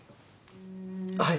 はい。